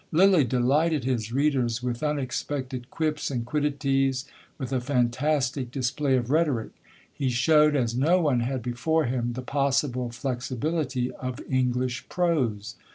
Lyly delighted his readers with unexpected quips and quiddities, with a fantastic display of rhetoric; he showed, as no one had before him, the possible flexibility of English prose.